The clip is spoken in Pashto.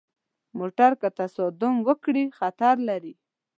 موټر که تصادم وکړي، خطر لري.